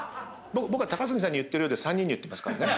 僕は高杉さんに言ってるようで３人に言ってますからね。